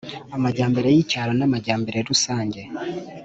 Amajyambere y’icyaro n’amajyambere rusange.